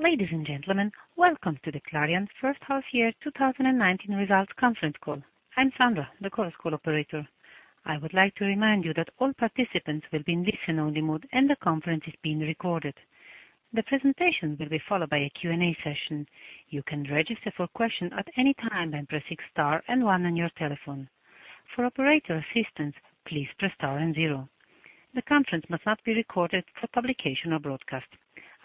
Ladies and gentlemen, welcome to the Clariant First Half Year 2019 Results Conference Call. I'm Sandra, the conference call operator. I would like to remind you that all participants will be in listen-only mode and the conference is being recorded. The presentation will be followed by a Q&A session. You can register for question at any time by pressing star and one on your telephone. For operator assistance, please press star and zero. The conference must not be recorded for publication or broadcast.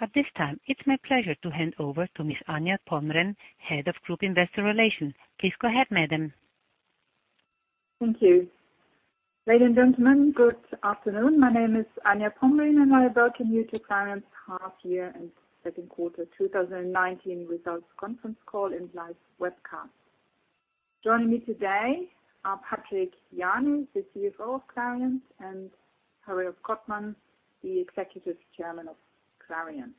At this time, it's my pleasure to hand over to Miss Anja Pomrehn, Head of Group Investor Relations. Please go ahead, madam. Thank you. Ladies and gentlemen, good afternoon. My name is Anja Pomrehn. I welcome you to Clariant's Half Year and Second Quarter 2019 Results Conference Call and live webcast. Joining me today are Patrick Jany, the CFO of Clariant, and Hariolf Kottmann, the Executive Chairman of Clariant.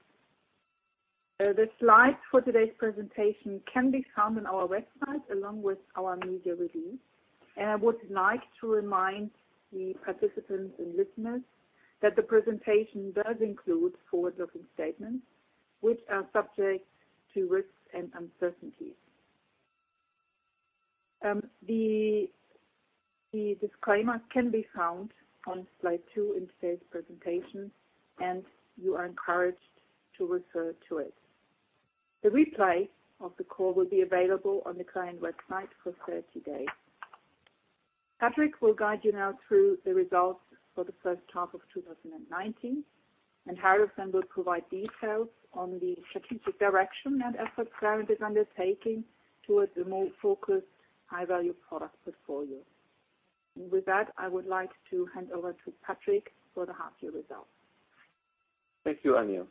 The slides for today's presentation can be found on our website along with our media release. I would like to remind the participants and listeners that the presentation does include forward-looking statements which are subject to risks and uncertainties. The disclaimer can be found on slide two in today's presentation. You are encouraged to refer to it. The replay of the call will be available on the Clariant website for 30 days. Patrick will guide you now through the results for the first half of 2019, and Hariolf then will provide details on the strategic direction and efforts Clariant is undertaking towards a more focused high-value product portfolio. With that, I would like to hand over to Patrick for the half year results. Thank you, Anja.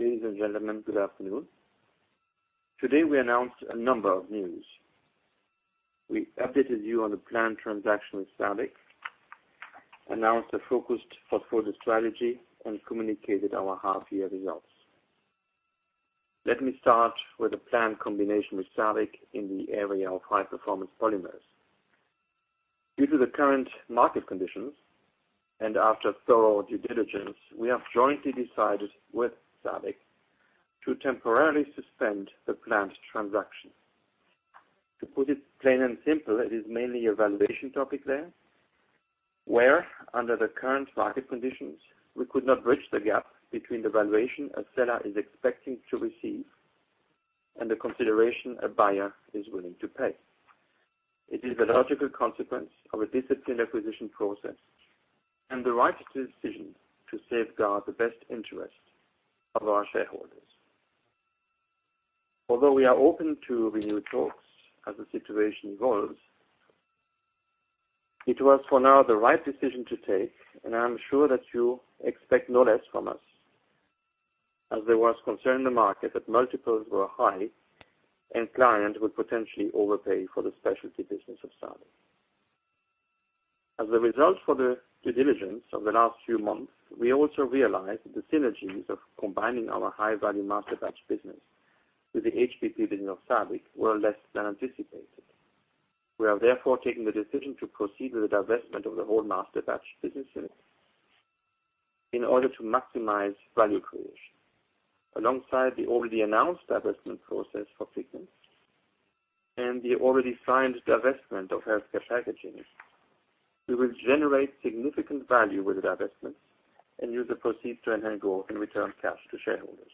Ladies and gentlemen, good afternoon. Today, we announced a number of news. We updated you on the planned transaction with SABIC, announced a focused portfolio strategy, and communicated our half year results. Let me start with the planned combination with SABIC in the area of high-performance polymers. Due to the current market conditions, and after thorough due diligence, we have jointly decided with SABIC to temporarily suspend the planned transaction. To put it plain and simple, it is mainly a valuation topic there, where, under the current market conditions, we could not bridge the gap between the valuation a seller is expecting to receive and the consideration a buyer is willing to pay. It is a logical consequence of a disciplined acquisition process, and the right decision to safeguard the best interest of our shareholders. Although we are open to renewed talks as the situation evolves, it was for now the right decision to take, and I am sure that you expect no less from us, as there was concern in the market that multiples were high and Clariant would potentially overpay for the specialty business of SABIC. As a result for the due diligence of the last few months, we also realized that the synergies of combining our high-value Masterbatches business with the HBP business of SABIC were less than anticipated. We have therefore taken the decision to proceed with the divestment of the whole Masterbatches businesses in order to maximize value creation. Alongside the already announced divestment process for Pigments and the already signed divestment of Healthcare Packaging, we will generate significant value with the divestments and use the proceeds to enhance growth and return cash to shareholders.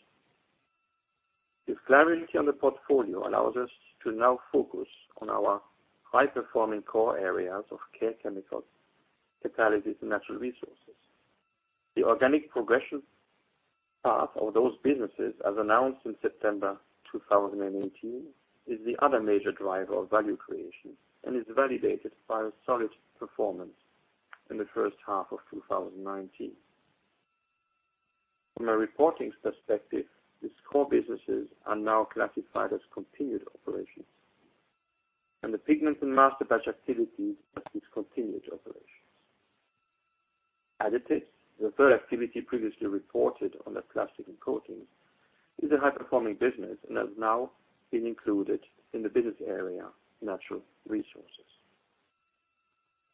This clarity on the portfolio allows us to now focus on our high-performing core areas of Care Chemicals, Catalysis, and Natural Resources. The organic progression path of those businesses, as announced in September 2018, is the other major driver of value creation and is validated by a solid performance in the first half of 2019. From a reporting perspective, these core businesses are now classified as continued operations, and the Pigments and Masterbatches activities as discontinued operations. Additives, the third activity previously reported under Plastics & Coatings, is a high-performing business and has now been included in the business area Natural Resources.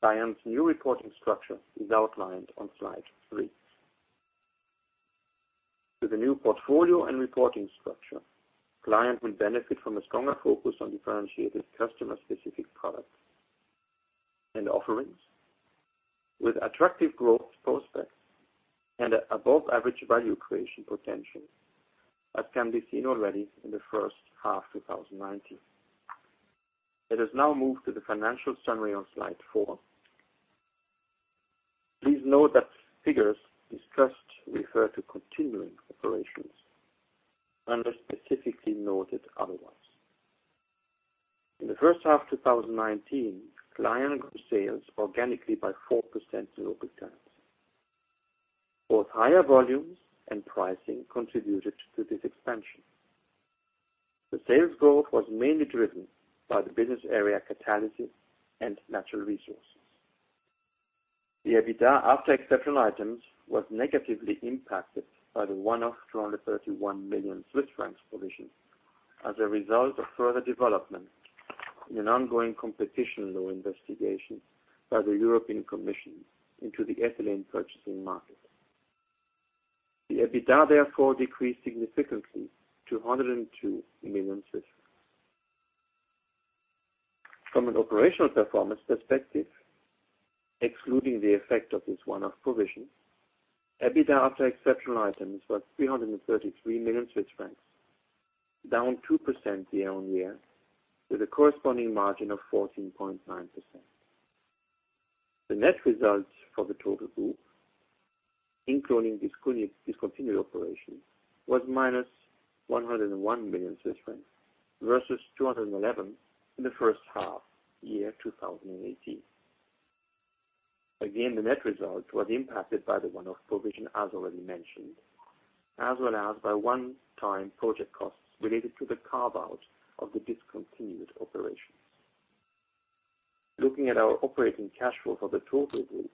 Clariant's new reporting structure is outlined on slide three. With the new portfolio and reporting structure, Clariant will benefit from a stronger focus on differentiated customer-specific products and offerings with attractive growth prospects and above-average value creation potential, as can be seen already in the first half 2019. Let us now move to the financial summary on slide four. Please note that figures discussed refer to continuing operations unless specifically noted otherwise. In the first half 2019, Clariant grew sales organically by 4% in local currency. Both higher volumes and pricing contributed to this expansion. The sales growth was mainly driven by the business area Catalysis and Natural Resources. The EBITDA after exceptional items was negatively impacted by the one-off 231 million Swiss francs provision as a result of further development in an ongoing competition law investigation by the European Commission into the ethylene purchasing market. The EBITDA decreased significantly to CHF 102 million. From an operational performance perspective, excluding the effect of this one-off provision, EBITDA after exceptional items was 333 million Swiss francs, down 2% year-on-year, with a corresponding margin of 14.9%. The net results for the total group, including discontinued operations, was minus 101 million Swiss francs versus 211 million in the first half year 2018. Again, the net result was impacted by the one-off provision, as already mentioned, as well as by one-time project costs related to the carve-out of the discontinued operations. Looking at our operating cash flow for the total group,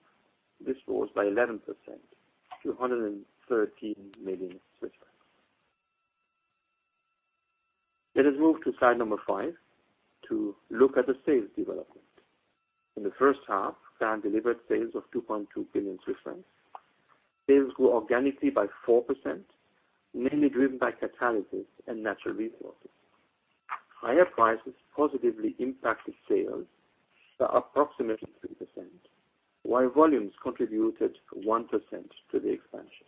this rose by 11% to 113 million Swiss francs. Let us move to slide number five to look at the sales development. In the first half, Clariant delivered sales of 2.2 billion francs. Sales grew organically by 4%, mainly driven by Catalysis and Natural Resources. Higher prices positively impacted sales by approximately 3%, while volumes contributed 1% to the expansion.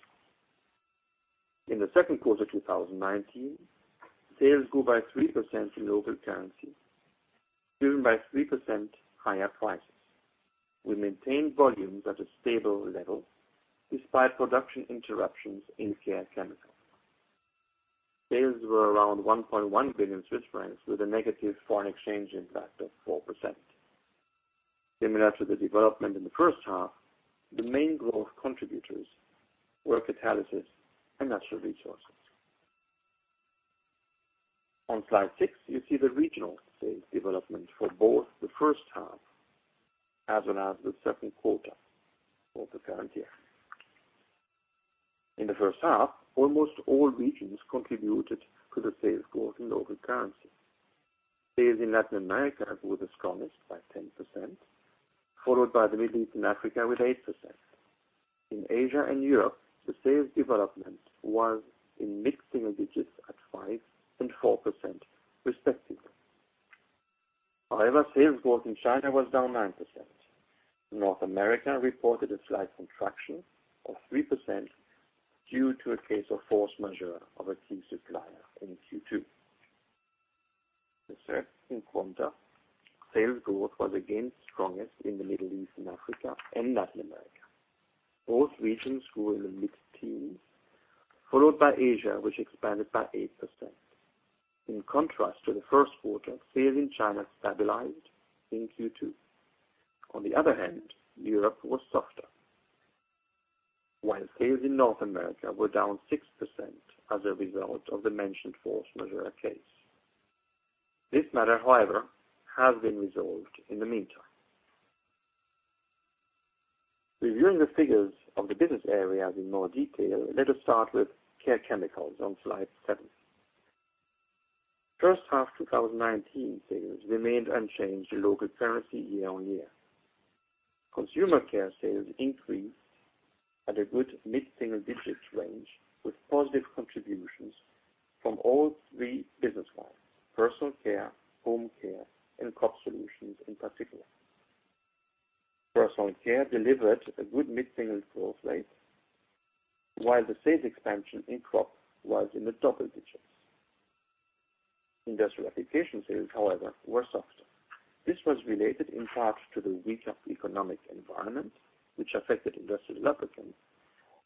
In the second quarter 2019, sales grew by 3% in local currency, driven by 3% higher prices. We maintained volumes at a stable level despite production interruptions in Care Chemicals. Sales were around 1.1 billion Swiss francs with a negative foreign exchange impact of 4%. Similar to the development in the first half, the main growth contributors were Catalysis and Natural Resources. On slide six, you see the regional sales development for both the first half as well as the second quarter of the current year. In the first half, almost all regions contributed to the sales growth in local currency. Sales in Latin America grew the strongest by 10%, followed by the Middle East and Africa with 8%. In Asia and Europe, the sales development was in mid-single digits at 5% and 4% respectively. Sales growth in China was down 9%. North America reported a slight contraction of 3% due to a case of force majeure of a key supplier in Q2. In the second quarter, sales growth was again strongest in the Middle East and Africa and Latin America. Both regions grew in the mid-teens, followed by Asia, which expanded by 8%. In contrast to the first quarter, sales in China stabilized in Q2. On the other hand, Europe was softer, while sales in North America were down 6% as a result of the mentioned force majeure case. This matter, however, has been resolved in the meantime. Reviewing the figures of the business areas in more detail, let us start with Care Chemicals on slide seven. First half 2019 sales remained unchanged in local currency year-on-year. consumer care sales increased at a good mid-single digits range with positive contributions from all three business lines, personal care, home care, and crop solutions in particular. personal care delivered a good mid-single growth rate, while the sales expansion in crop was in the double digits. industrial applications sales, however, were softer. This was related in part to the weaker economic environment, which affected industrial lubricants,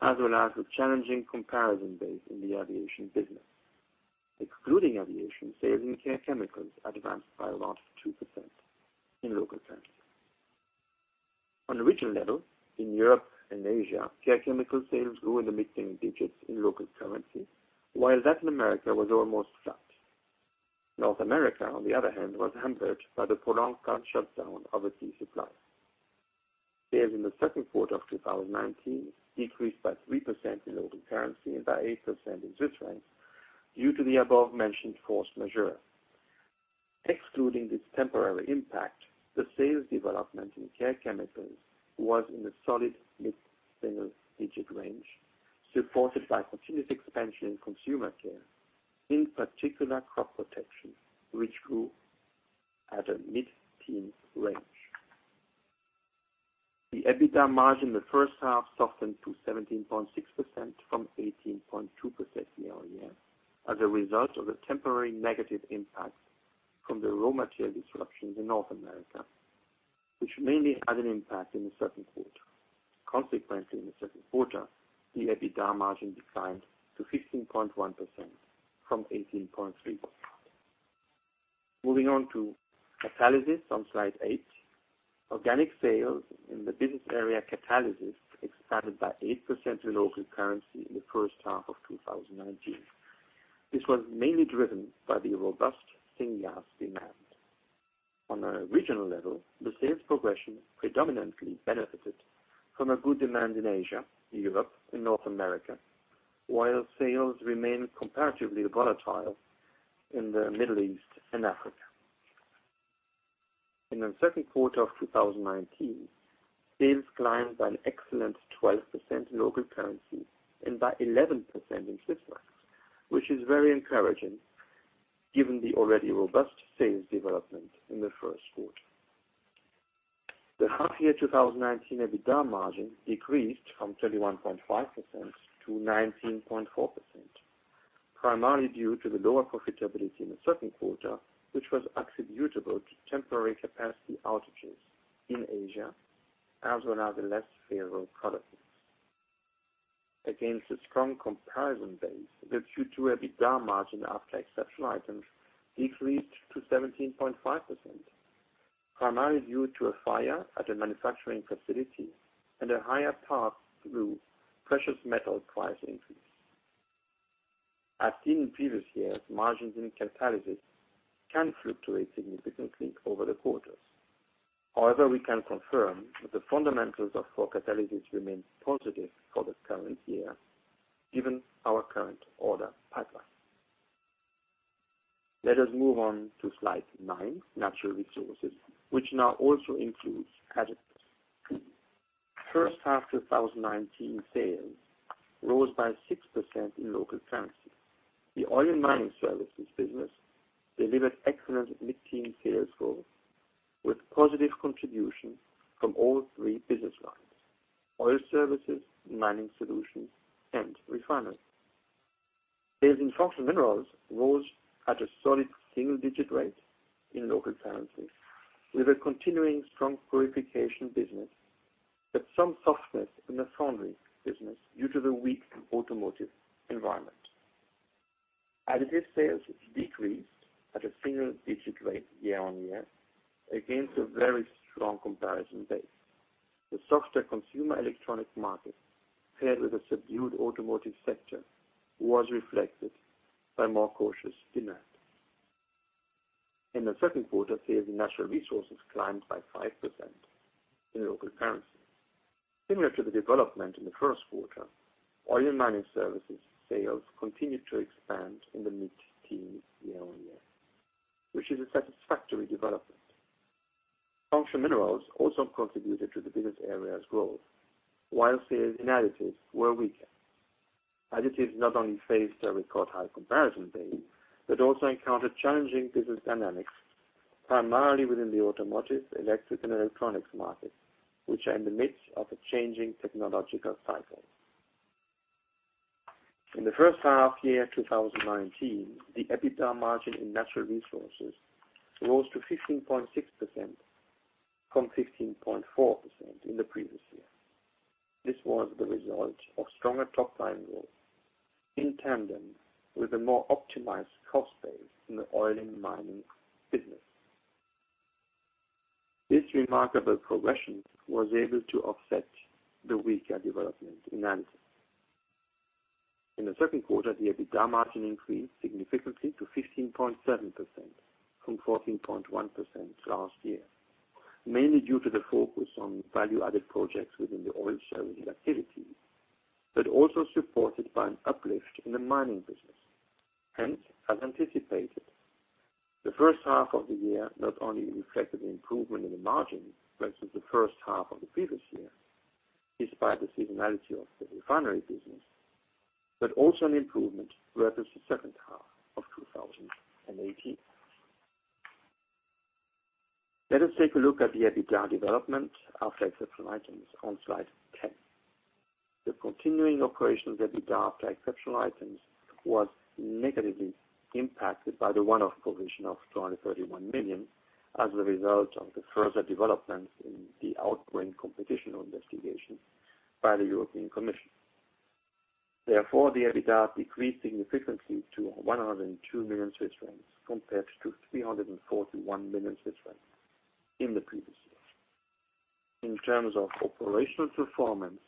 as well as the challenging comparison base in the aviation business. Excluding aviation, sales in Care Chemicals advanced by around 2% in local currency. On a regional level, in Europe and Asia, Care Chemicals sales grew in the mid-single digits in local currency, while Latin America was almost flat. North America, on the other hand, was hampered by the prolonged shutdown of a key supplier. Sales in the second quarter of 2019 decreased by 3% in local currency and by 8% in CHF due to the above-mentioned force majeure. Excluding this temporary impact, the sales development in Care Chemicals was in the solid mid-single digit range, supported by continued expansion in consumer care, in particular crop protection, which grew at a mid-teen range. The EBITDA margin in the first half softened to 17.6% from 18.2% year-on-year as a result of a temporary negative impact from the raw material disruptions in North America, which mainly had an impact in the second quarter. In the second quarter, the EBITDA margin declined to 15.1% from 18.3%. Moving on to Catalysis on slide eight. Organic sales in the business area Catalysis expanded by 8% in local currency in the first half of 2019. This was mainly driven by the robust syngas demand. On a regional level, the sales progression predominantly benefited from a good demand in Asia, Europe, and North America. While sales remain comparatively volatile in the Middle East and Africa. In the second quarter of 2019, sales climbed by an excellent 12% in local currency and by 11% in CHF, which is very encouraging given the already robust sales development in the first quarter. The half year 2019 EBITDA margin decreased from 31.5% to 19.4%, primarily due to the lower profitability in the second quarter, which was attributable to temporary capacity outages in Asia as well as the less favorable product mix. Against a strong comparison base, the Q2 EBITDA margin after exceptional items decreased to 17.5%, primarily due to a fire at a manufacturing facility and a higher pass through precious metal price increase. As seen in previous years, margins in Catalysis can fluctuate significantly over the quarters. We can confirm that the fundamentals of our Catalysis remains positive for this current year, given our current order pipeline. Let us move on to slide nine, Natural Resources, which now also includes Additives. First half 2019 sales rose by 6% in local currency. The Oil and Mining Services business delivered excellent mid-teen sales growth with positive contribution from all three business lines, Oil Services, Mining Solutions and refineries. Sales in Functional Minerals rose at a solid single-digit rate in local currency, with a continuing strong purification business, but some softness in the foundry business due to the weak automotive environment. Additives sales decreased at a single-digit rate year-on-year against a very strong comparison base. The softer consumer electronic market, paired with a subdued automotive sector, was reflected by more cautious demand. In the second quarter, sales in Natural Resources climbed by 5% in local currency. Similar to the development in the first quarter, Oil and Mining Services sales continued to expand in the mid-teens year-on-year, which is a satisfactory development. Functional Minerals also contributed to the business area's growth, while sales in Additives were weaker. Additives not only faced a record high comparison base, but also encountered challenging business dynamics, primarily within the automotive, electric, and electronics markets, which are in the midst of a changing technological cycle. In the first half year 2019, the EBITDA margin in Natural Resources rose to 15.6% from 15.4% in the previous year. This was the result of stronger top-line growth in tandem with a more optimized cost base in the Oil and Mining Services. This remarkable progression was able to offset the weaker development in Additives. In the second quarter, the EBITDA margin increased significantly to 15.7% from 14.1% last year, mainly due to the focus on value-added projects within the oil service activity, but also supported by an uplift in the mining business. As anticipated, the first half of the year not only reflected the improvement in the margin versus the first half of the previous year, despite the seasonality of the refinery business, but also an improvement versus the second half of 2018. Let us take a look at the EBITDA development after exceptional items on slide 10. The continuing operations EBITDA after exceptional items was negatively impacted by the one-off provision of 231 million as a result of the further developments in the outgoing competition investigation by the European Commission. The EBITDA decreased significantly to 102 million Swiss francs compared to 341 million Swiss francs in the previous year. In terms of operational performance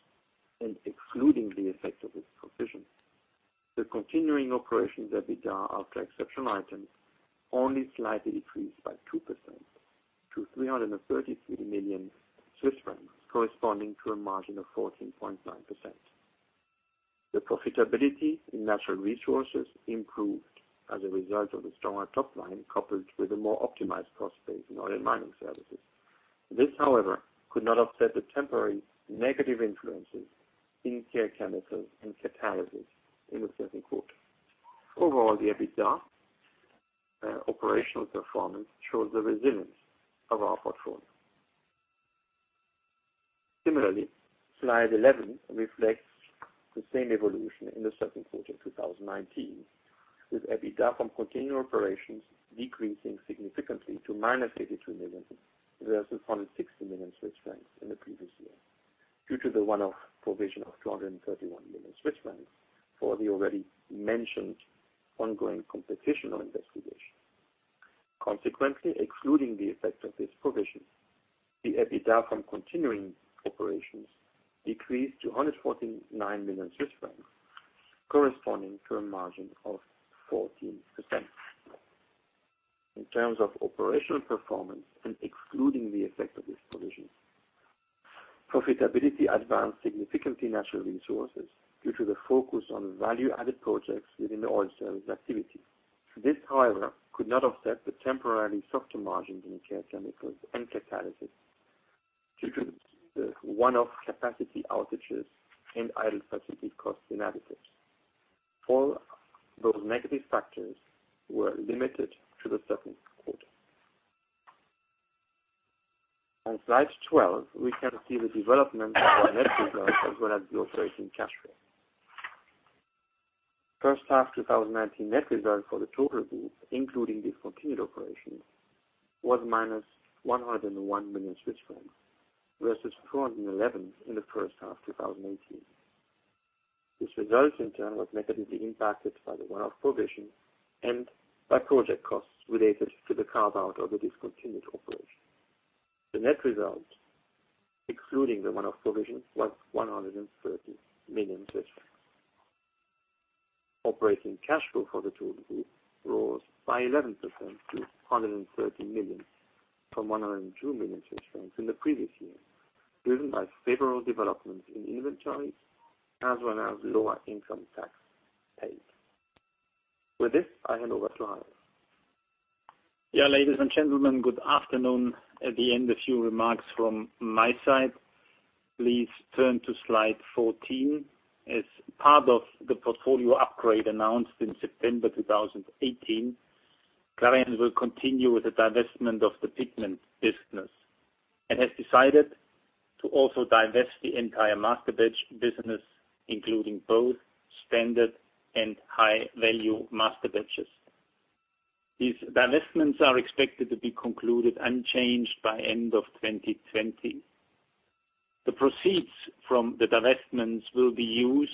and excluding the effects of this provision, the continuing operations EBITDA after exceptional items only slightly decreased by 2% to 333 million Swiss francs, corresponding to a margin of 14.9%. The profitability in Natural Resources improved as a result of the stronger top line coupled with a more optimized cost base in Oil and Mining Services. This, however, could not offset the temporary negative influences in Care Chemicals and Catalysis in the second quarter. Overall, the EBITDA operational performance shows the resilience of our portfolio. Similarly, slide 11 reflects the same evolution in the second quarter 2019, with EBITDA from continuing operations decreasing significantly to minus 82 million versus 160 million Swiss francs in the previous year, due to the one-off provision of 231 million Swiss francs for the already mentioned ongoing competition investigation. Consequently, excluding the effect of this provision, the EBITDA from continuing operations decreased to 149 million Swiss francs, corresponding to a margin of 14%. In terms of operational performance and excluding the effect of this provision, profitability advanced significantly Natural Resources due to the focus on value-added projects within the Oil Services activity. This, however, could not offset the temporarily softer margins in Care Chemicals and Catalysis due to the one-off capacity outages and idle facility costs in Adipic. All those negative factors were limited to the second quarter. On slide 12, we can see the development of our net results as well as the operating cash flow. First half 2019 net result for the total group, including discontinued operations, was minus 101 million Swiss francs versus 211 million in the first half 2018. This result, in turn, was negatively impacted by the one-off provision and by project costs related to the carve-out of the discontinued operation. The net result, excluding the one-off provision, was 113 million. Operating cash flow for the total group rose by 11% to 113 million from 102 million in the previous year, driven by favorable developments in inventories as well as lower income tax paid. With this, I hand over to Harry. Ladies and gentlemen, good afternoon. At the end, a few remarks from my side. Please turn to slide 14. As part of the portfolio upgrade announced in September 2018, Clariant will continue with the divestment of the Pigments business and has decided to also divest the entire Masterbatches business, including both standard and high-value masterbatches. These divestments are expected to be concluded unchanged by end of 2020. The proceeds from the divestments will be used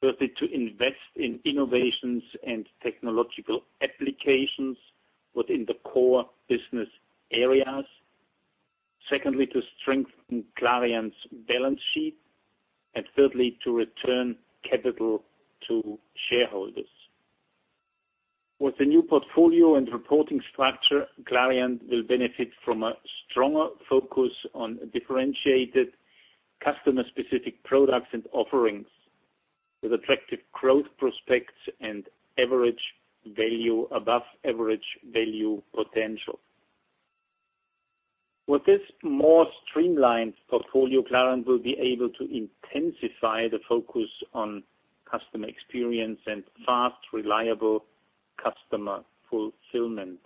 firstly to invest in innovations and technological applications within the core business areas. Secondly, to strengthen Clariant's balance sheet, and thirdly, to return capital to shareholders. With the new portfolio and reporting structure, Clariant will benefit from a stronger focus on differentiated customer-specific products and offerings with attractive growth prospects and above average value potential. With this more streamlined portfolio, Clariant will be able to intensify the focus on customer experience and fast, reliable customer fulfillment,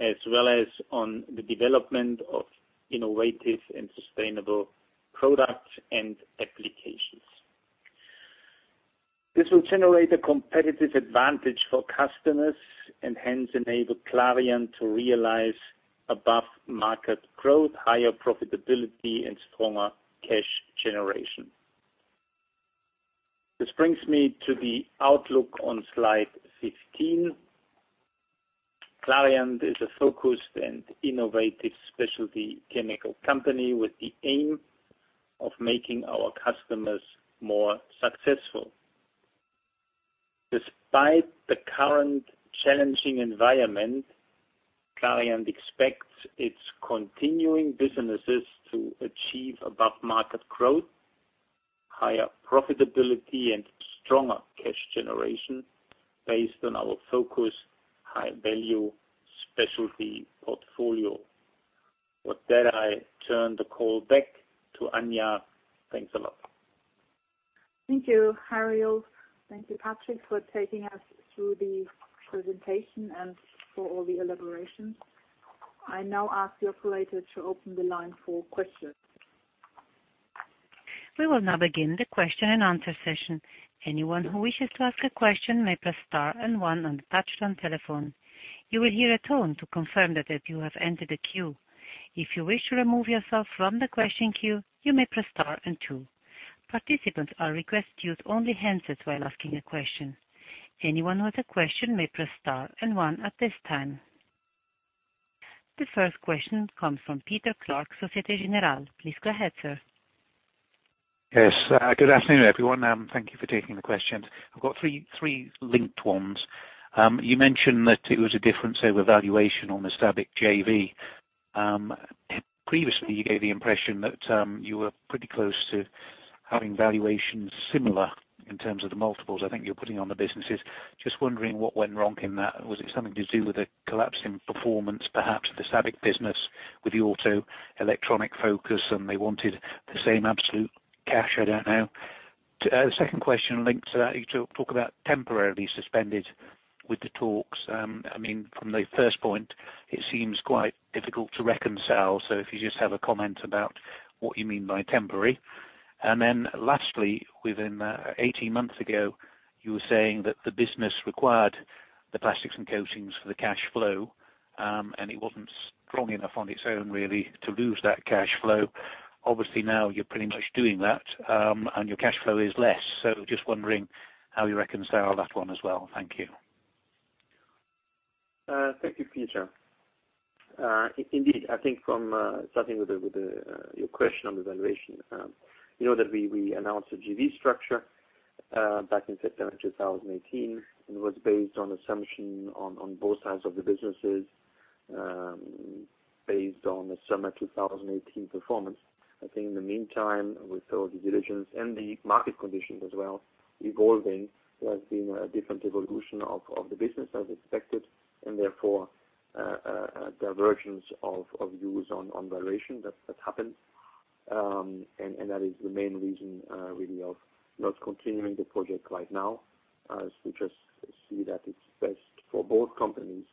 as well as on the development of innovative and sustainable products and applications. This will generate a competitive advantage for customers and hence enable Clariant to realize above-market growth, higher profitability, and stronger cash generation. This brings me to the outlook on slide 15. Clariant is a focused and innovative specialty chemical company with the aim of making our customers more successful. Despite the current challenging environment, Clariant expects its continuing businesses to achieve above-market growth, higher profitability, and stronger cash generation based on our focused high-value specialty portfolio. With that, I turn the call back to Anja. Thanks a lot. Thank you, Harry. Thank you, Patrick, for taking us through the presentation and for all the elaborations. I now ask the operator to open the line for questions. We will now begin the question and answer session. Anyone who wishes to ask a question may press star and one on the touchtone telephone. You will hear a tone to confirm that you have entered a queue. If you wish to remove yourself from the question queue, you may press star and two. Participants are requested to use only handsets while asking a question. Anyone with a question may press star and one at this time. The first question comes from Peter Clark, Société Générale. Please go ahead, sir. Yes. Good afternoon, everyone. Thank you for taking the questions. I've got three linked ones. You mentioned that it was a difference over valuation on the SABIC JV. Previously, you gave the impression that you were pretty close to having valuations similar in terms of the multiples I think you're putting on the businesses. Just wondering what went wrong in that. Was it something to do with a collapse in performance, perhaps the SABIC business with the auto electronic focus and they wanted the same absolute cash? I don't know. The second question linked to that, you talk about temporarily suspended with the talks. From the first point, it seems quite difficult to reconcile. If you just have a comment about what you mean by temporary. Lastly, within 18 months ago, you were saying that the business required the Plastics & Coatings for the cash flow, and it wasn't strong enough on its own, really, to lose that cash flow. Obviously, now you're pretty much doing that, and your cash flow is less. Just wondering how you reconcile that one as well. Thank you. Thank you, Peter. Indeed, I think from starting with your question on the valuation, you know that we announced the JV structure back in September 2018, and it was based on assumption on both sides of the businesses, based on the summer 2018 performance. I think in the meantime, with all the diligence and the market conditions as well evolving, there has been a different evolution of the business as expected and therefore, diversions of views on valuation that happened. That is the main reason really of not continuing the project right now, as we just see that it's best for both companies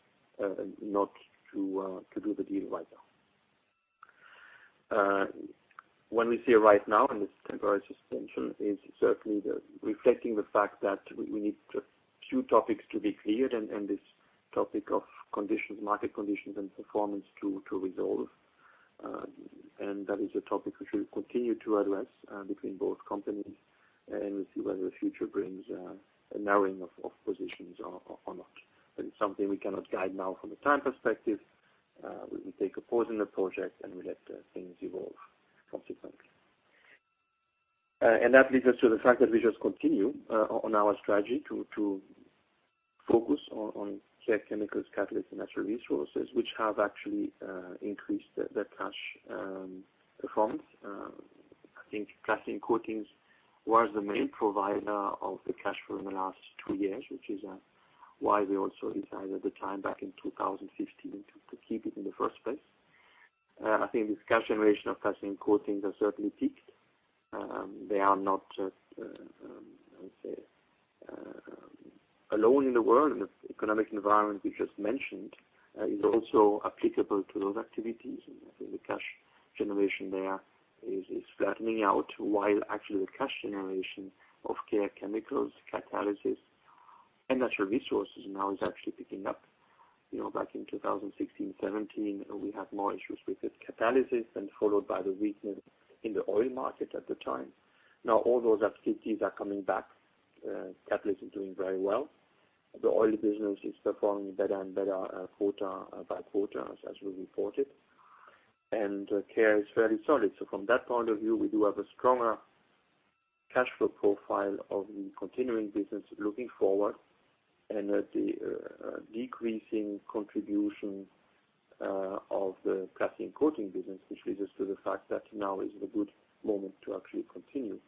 not to do the deal right now. When we say right now, and this temporary suspension is certainly reflecting the fact that we need a few topics to be cleared and this topic of market conditions and performance to resolve. That is a topic which we'll continue to address between both companies, and we'll see whether the future brings a narrowing of positions or not. It's something we cannot guide now from a time perspective. We take a pause in the project, and we let things evolve consequently. That leads us to the fact that we just continue on our strategy to focus on Care Chemicals, Catalysts and Natural Resources, which have actually increased the cash performance. I think Plastics & Coatings was the main provider of the cash flow in the last two years, which is why we also decided at the time, back in 2016, to keep it in the first place. I think this cash generation of Plastics & Coatings has certainly peaked. They are not, how do I say, alone in the world. The economic environment we just mentioned is also applicable to those activities. I think the cash generation there is flattening out while actually the cash generation of Care Chemicals, Catalysis, and Natural Resources now is actually picking up. Back in 2016, 2017, we had more issues with Catalysis and followed by the weakness in the oil market at the time. All those activities are coming back. Catalysis is doing very well. The oil business is performing better and better quarter by quarter as we reported. Care is fairly solid. From that point of view, we do have a stronger cash flow profile of the continuing business looking forward and the decreasing contribution of the Plastics & Coatings business, which leads us to the fact that now is the good moment to actually continue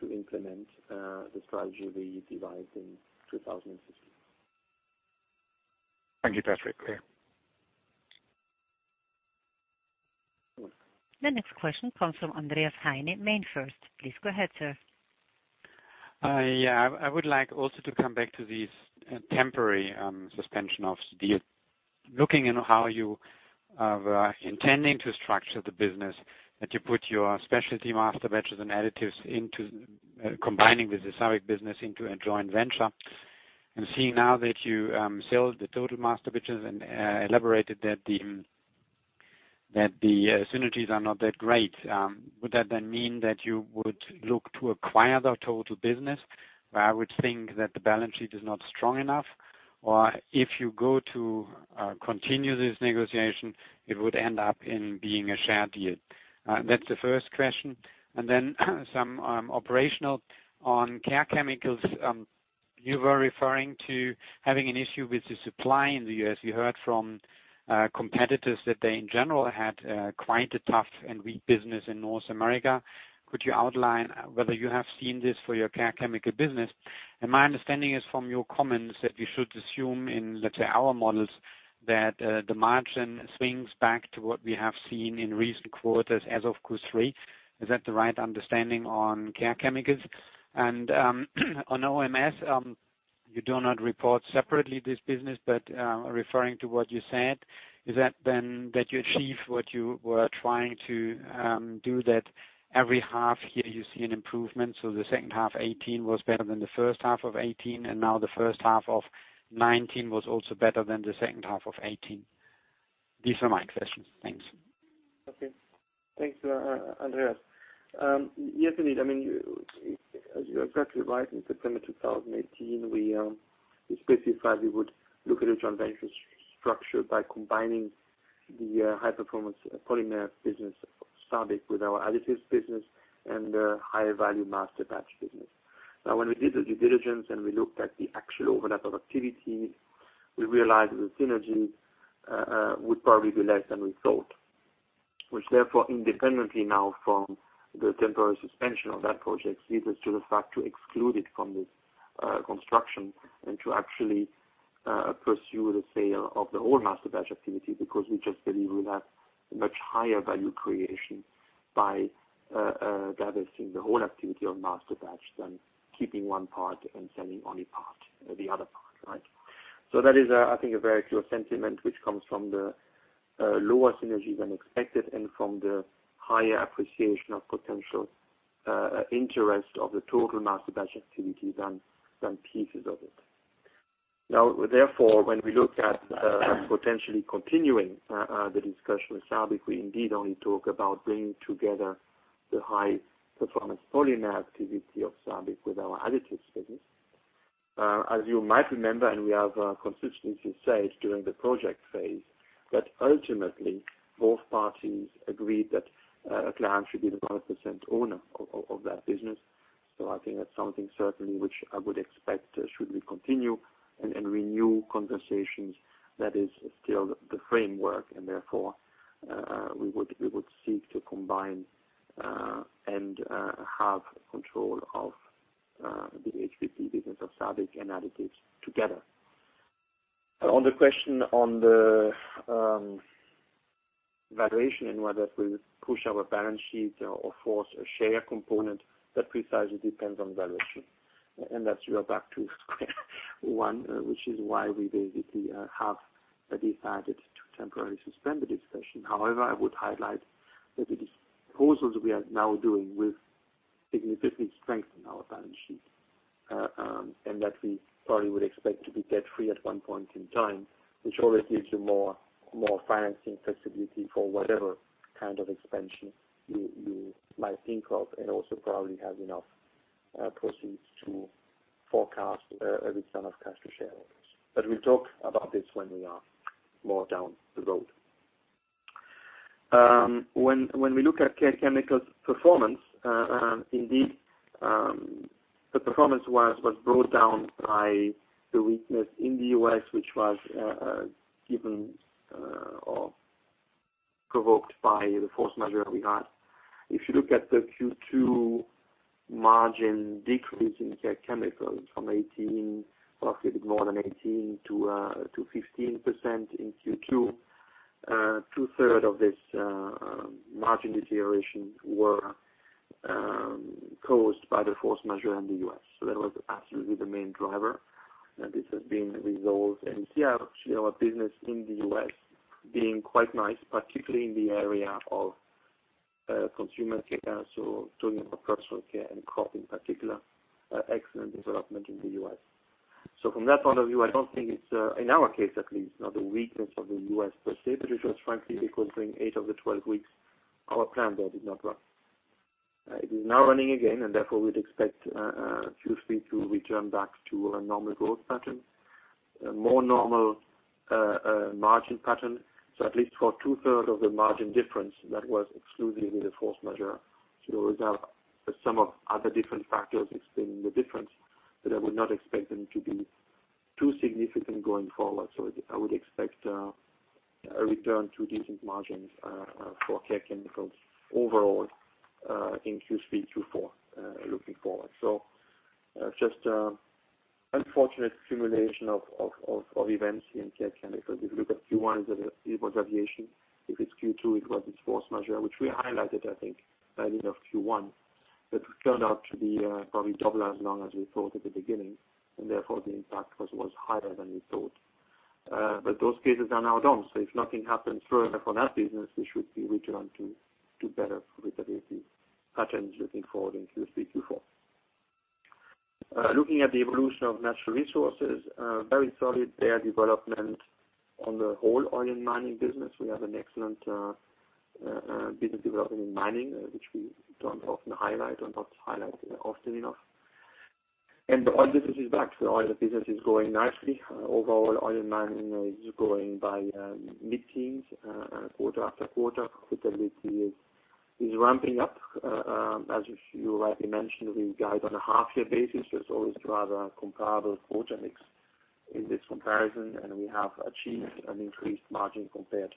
to implement the strategy we devised in 2016. Thank you, Patrick. Clear. The next question comes from Andreas Heine, MainFirst. Please go ahead, sir. Yeah. I would like also to come back to this temporary suspension of the deal. Looking into how you were intending to structure the business, that you put your specialty Masterbatches and Additives into combining with the SABIC business into a joint venture. Seeing now that you sold the total Masterbatches and elaborated that the synergies are not that great. Would that then mean that you would look to acquire their total business, where I would think that the balance sheet is not strong enough? If you go to continue this negotiation, it would end up in being a share deal. That's the first question. Then some operational on Care Chemicals. You were referring to having an issue with the supply in the U.S. You heard from competitors that they, in general, had quite a tough and weak business in North America. Could you outline whether you have seen this for your Care Chemicals business? My understanding is from your comments that we should assume in, let's say, our models that the margin swings back to what we have seen in recent quarters as of Q3. Is that the right understanding on Care Chemicals? On OMS, you do not report separately this business, but referring to what you said, is that then that you achieve what you were trying to do that every half year you see an improvement? The second half 2018 was better than the first half of 2018, and now the first half of 2019 was also better than the second half of 2018. These are my questions. Thanks. Okay. Thanks, Andreas. Yes, indeed. As you are exactly right, in September 2018, we specified we would look at a joint venture structure by combining the high-performance polymer business of SABIC with our Additives business and the higher-value Masterbatches business. Now, when we did the due diligence and we looked at the actual overlap of activity, we realized the synergy would probably be less than we thought, which therefore independently now from the temporary suspension of that project, leads us to the fact to exclude it from this construction and to actually pursue the sale of the whole Masterbatches activity, because we just believe we'll have a much higher value creation by gathering the whole activity of Masterbatches than keeping one part and selling only part, the other part. That is, I think, a very clear sentiment, which comes from the lower synergy than expected and from the higher appreciation of potential interest of the total Masterbatches activity than pieces of it. Therefore, when we look at potentially continuing the discussion with SABIC, we indeed only talk about bringing together the high-performance polymer activity of SABIC with our Additives business. As you might remember, we have consistently said during the project phase that ultimately both parties agreed that Clariant should be the 100% owner of that business. I think that's something certainly which I would expect should we continue and renew conversations. That is still the framework and therefore, we would seek to combine and have control of the HPP business of SABIC and Additives together. On the question on the valuation and whether it will push our balance sheet or force a share component, that precisely depends on valuation. That's you are back to square one, which is why we basically have decided to temporarily suspend the discussion. However, I would highlight that the disposals we are now doing will significantly strengthen our balance sheet, and that we probably would expect to be debt-free at one point in time, which always gives you more financing flexibility for whatever kind of expansion you might think of, and also probably have enough proceeds to forecast a return of cash to shareholders. We'll talk about this when we are more down the road. When we look at Care Chemicals performance, indeed, the performance was brought down by the weakness in the U.S., which was given or provoked by the force majeure we had. If you look at the Q2 margin decrease in Care Chemicals from 18, possibly a bit more than 18 to 15% in Q2, two-third of this margin deterioration were caused by the force majeure in the U.S. That was absolutely the main driver, and this has been resolved. Here, actually, our business in the U.S. being quite nice, particularly in the area of consumer care, so talking about personal care and crop in particular, excellent development in the U.S. From that point of view, I don't think it's, in our case at least, not a weakness of the U.S. per se, but it was frankly because during eight of the 12 weeks, our plant there did not run. It is now running again, and therefore we'd expect Q3 to return back to a normal growth pattern, a more normal margin pattern. At least for two-third of the margin difference, that was exclusively the force majeure. There was some of other different factors explaining the difference, but I would not expect them to be too significant going forward. I would expect a return to decent margins for Care Chemicals overall, in Q3, Q4, looking forward. Just unfortunate accumulation of events here in Care Chemicals. If you look at Q1, it was aviation. If it's Q2, it was this force majeure, which we highlighted, I think, beginning of Q1, that turned out to be probably double as long as we thought at the beginning, and therefore the impact was much higher than we thought. Those cases are now gone, so if nothing happens further for that business, we should be returned to better profitability patterns looking forward in Q3, Q4. Looking at the evolution of Natural Resources, very solid there. Development on the whole Oil and Mining Services, we have an excellent business development in Mining Solutions, which we don't often highlight or not highlight often enough. The Oil Services is back. The Oil Services is growing nicely. Overall Oil and Mining Services is growing by mid-teens quarter after quarter. Profitability is ramping up. As you rightly mentioned, we guide on a half-year basis. There's always rather a comparable quarter mix in this comparison, and we have achieved an increased margin compared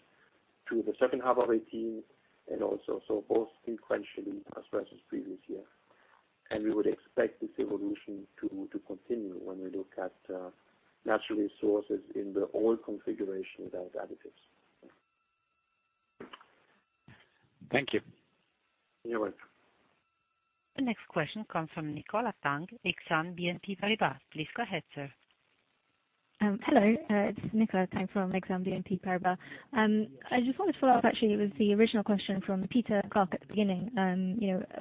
to the second half of 2018 and also both sequentially as versus previous year. We would expect this evolution to continue when we look at Natural Resources in the oil configuration without Additives. Thank you. You're welcome. The next question comes from Nicola Tang, Exane BNP Paribas. Please go ahead, sir. Hello, this is Nicola Tang from Exane BNP Paribas. I just wanted to follow up, actually, with the original question from Peter Clark at the beginning.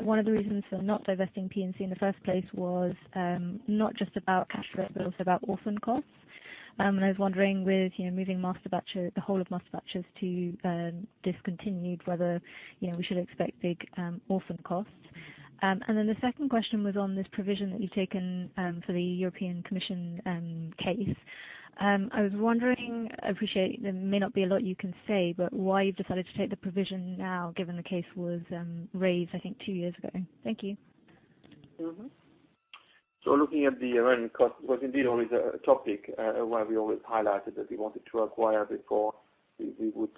One of the reasons for not divesting P&C in the first place was not just about cash flow, but also about orphan costs. I was wondering with moving the whole of Masterbatches to discontinued, whether we should expect big orphan costs. The second question was on this provision that you've taken for the European Commission case. I was wondering, I appreciate there may not be a lot you can say, but why you've decided to take the provision now given the case was raised, I think two years ago. Thank you. Looking at the remnant cost was indeed always a topic where we always highlighted that we wanted to acquire before we would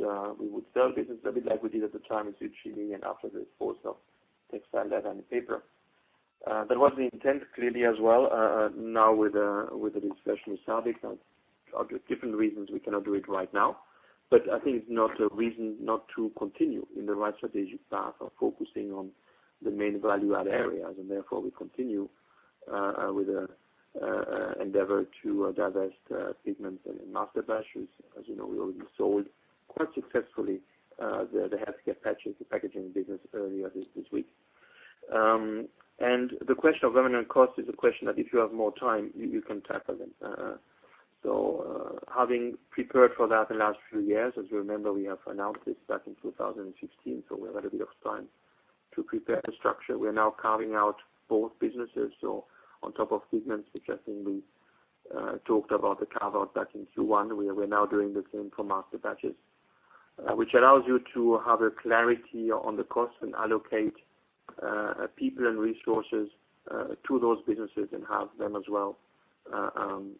sell business, a bit like we did at the time with Chile and after the disposal of Textile, Leather and Paper. That was the intent clearly as well now with the discussion with SABIC. Different reasons we cannot do it right now, I think it's not a reason not to continue in the right strategic path of focusing on the main value-add areas. Therefore, we continue with the endeavor to divest Pigments and Masterbatches. As you know, we already sold quite successfully the Healthcare Packaging, the packaging business earlier this week. The question of remnant cost is a question that if you have more time, you can tackle them. Having prepared for that the last few years, as you remember, we have announced this back in 2016, we had a bit of time to prepare the structure, we are now carving out both businesses. On top of Pigments, which I think we talked about the carve-out back in Q1, we are now doing the same for Masterbatches, which allows you to have a clarity on the cost and allocate people and resources to those businesses and have them as well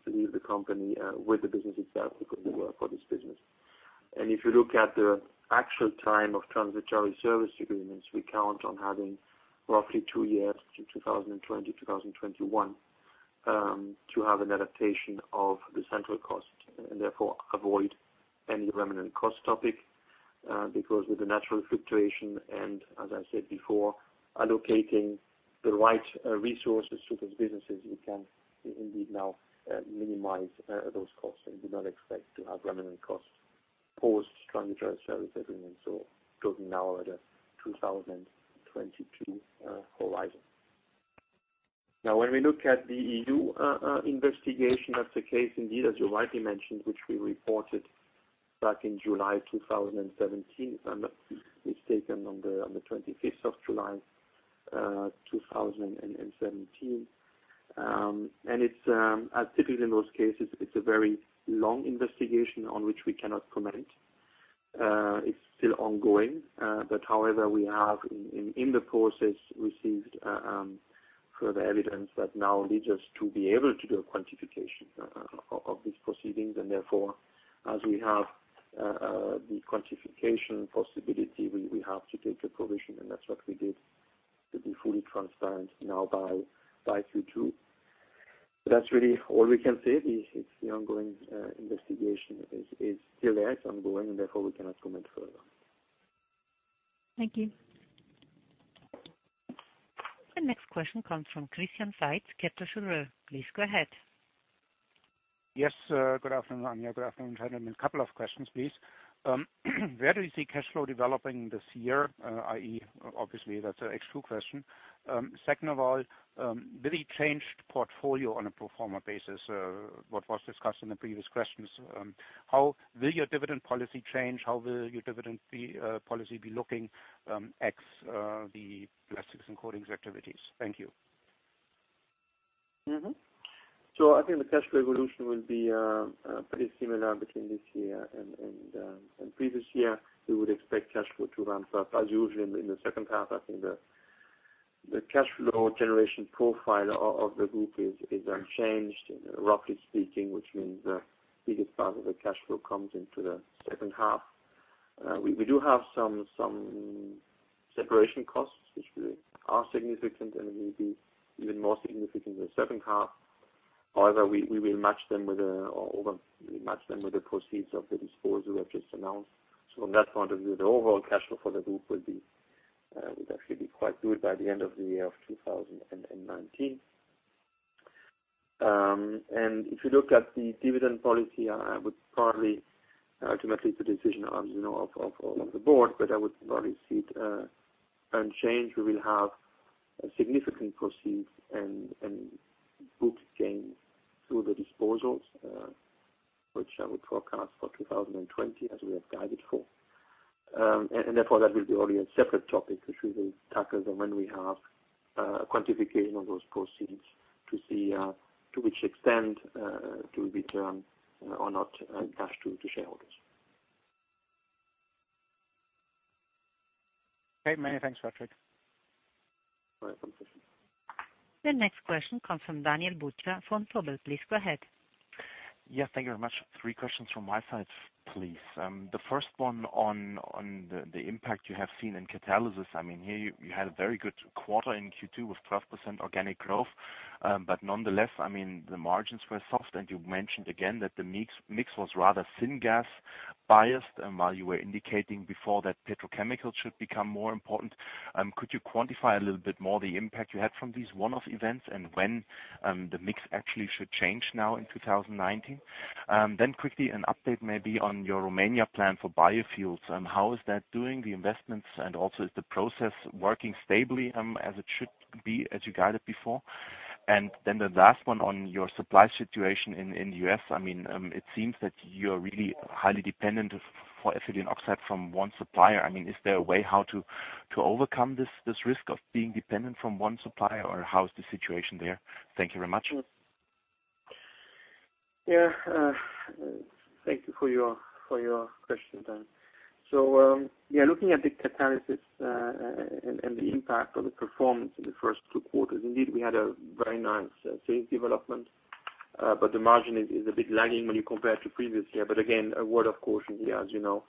leave the company with the business itself because they work for this business. If you look at the actual time of transitory service agreements, we count on having roughly two years, in 2020, 2021, to have an adaptation of the central cost and therefore avoid any remnant cost topic, because with the natural fluctuation and as I said before, allocating the right resources to those businesses, we can indeed now minimize those costs and do not expect to have remnant costs post transitory service agreement. Talking now at a 2022 horizon. When we look at the EU investigation, that's the case indeed, as you rightly mentioned, which we reported back in July 2017, if I'm not mistaken, on the 25th of July 2017. Typically in most cases, it's a very long investigation on which we cannot comment. It's still ongoing. However, we have, in the process, received further evidence that now leads us to be able to do a quantification of these proceedings. Therefore, as we have the quantification possibility, we have to take a provision and that's what we did to be fully transparent now by Q2. That's really all we can say. It's the ongoing investigation is still there. It's ongoing, and therefore we cannot comment further. Thank you. The next question comes from Christian Faitz, Kepler Cheuvreux. Please go ahead. Good afternoon, Anja. Good afternoon, gentlemen. A couple of questions, please. Where do you see cash flow developing this year, i.e., obviously, that's an actual question. Second of all, with the changed portfolio on a pro forma basis, what was discussed in the previous questions, how will your dividend policy change? How will your dividend policy be looking ex the Plastics & Coatings activities? Thank you. I think the cash flow evolution will be pretty similar between this year and previous year. We would expect cash flow to ramp up as usual in the second half. I think the cash flow generation profile of the group is unchanged, roughly speaking, which means the biggest part of the cash flow comes into the second half. We do have some separation costs, which are significant and will be even more significant in the second half. However, we will match them with the proceeds of the disposal we have just announced. From that point of view, the overall cash flow for the group will actually be quite good by the end of the year of 2019. If you look at the dividend policy, I would probably, ultimately it's a decision of the board, but I would probably see it unchanged. We will have significant proceeds and book gains through the disposals, which I would forecast for 2020 as we have guided for. Therefore, that will be already a separate topic, which we will tackle then when we have quantification of those proceeds to see to which extent to return or not cash to shareholders. Okay. Many thanks, Patrick. Welcome, Christian. The next question comes from Daniel Buchta from Vontobel. Please go ahead. Yes, thank you very much. Three questions from my side, please. The first one on the impact you have seen in Catalysis. I mean, here you had a very good quarter in Q2 with 12% organic growth. Nonetheless, the margins were soft, and you mentioned again that the mix was rather syngas-biased, and while you were indicating before that petrochemical should become more important. Could you quantify a little bit more the impact you had from these one-off events and when the mix actually should change now in 2019? Quickly an update maybe on your Romania plan for biofuels. How is that doing, the investments, and also is the process working stably as it should be, as you guided before? The last one on your supply situation in U.S. It seems that you are really highly dependent for ethylene oxide from one supplier. Is there a way how to overcome this risk of being dependent from one supplier, or how is the situation there? Thank you very much. Yeah. Thank you for your question, Daniel. Yeah, looking at the Catalysis and the impact on the performance in the first two quarters, indeed, we had a very nice sales development, but the margin is a bit lagging when you compare to previous year. Again, a word of caution here, as you know,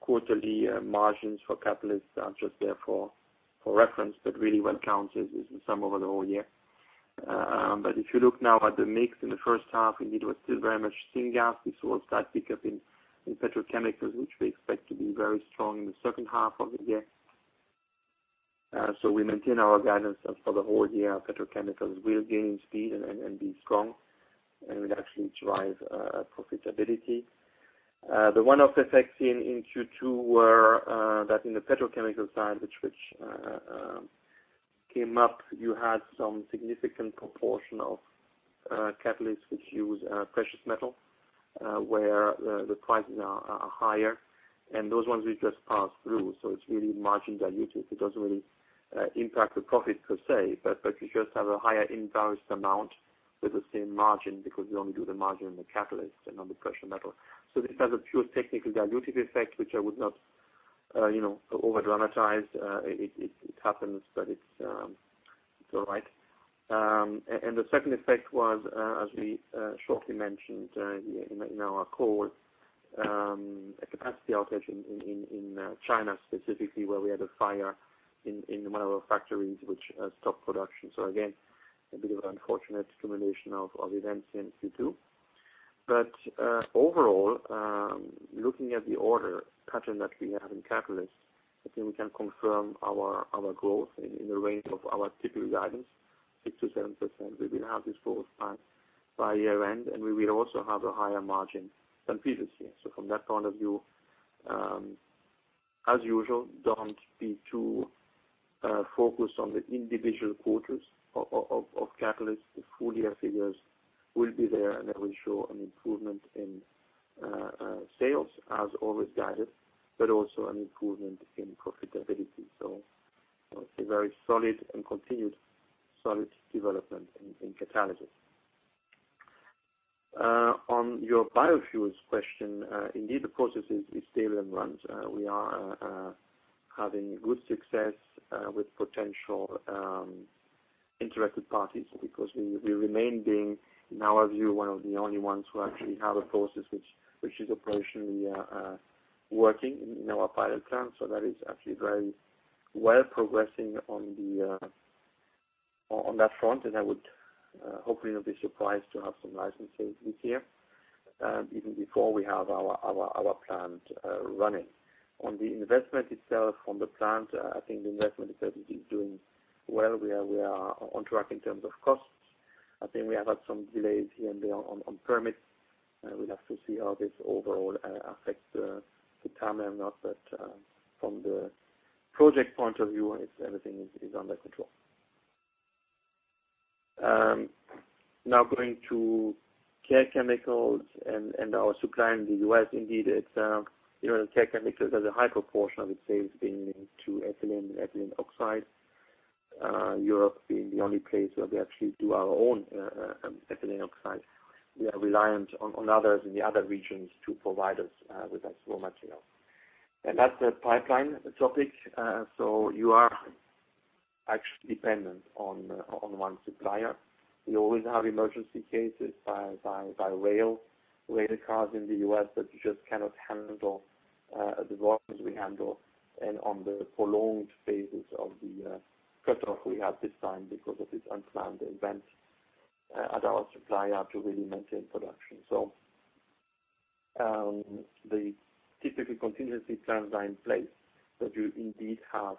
quarterly margins for Catalysts are just there for reference, but really what counts is the sum over the whole year. If you look now at the mix in the first half, indeed, it was still very much syngas. We saw a slight pickup in petrochemicals, which we expect to be very strong in the second half of the year. We maintain our guidance for the whole year. petrochemicals will gain speed and be strong and will actually drive profitability. The one-off effects seen in Q2 were that in the petrochemical side, which came up, you had some significant proportion of catalysts which use precious metal, where the prices are higher, and those ones we just passed through. It's really margin dilutive. It doesn't really impact the profit per se, but you just have a higher invoiced amount with the same margin, because we only do the margin on the catalyst and on the precious metal. This has a pure technical dilutive effect, which I would not over-dramatize. It happens, but it's all right. The second effect was, as we shortly mentioned in our call, a capacity outage in China specifically, where we had a fire in one of our factories, which has stopped production. Again, a bit of an unfortunate culmination of events in Q2. Overall, looking at the order pattern that we have in Catalysts, I think we can confirm our growth in the range of our typical guidance, 6%-7%. We will have this growth by year-end, and we will also have a higher margin than previous years. From that point of view, as usual, don't be too focused on the individual quarters of Catalysts. The full-year figures will be there, and they will show an improvement in sales as always guided, but also an improvement in profitability. A very solid and continued solid development in Catalysis. On your biofuels question, indeed the process is stable and runs. We are having good success with potential interactive parties because we remain being, in our view, one of the only ones who actually have a process which is operationally working in our pilot plant. That is actually very well progressing on that front, and I would hopefully not be surprised to have some licenses this year, even before we have our plant running. On the investment itself, on the plant, I think the investment itself is doing well. We are on track in terms of costs. I think we have had some delays here and there on permits. We'll have to see how this overall affects the time and not, but from the project point of view, everything is under control. Going to Care Chemicals and our supply in the U.S., indeed, Care Chemicals has a high proportion of its sales being linked to ethylene and ethylene oxide. Europe being the only place where we actually do our own ethylene oxide. We are reliant on others in the other regions to provide us with that raw material. That's a pipeline topic. You are actually dependent on one supplier. We always have emergency cases by rail cars in the U.S., but you just cannot handle the volumes we handle and on the prolonged phases of the cut-off we have this time because of this unplanned event at our supplier to really maintain production. The typical contingency plans are in place, but you indeed have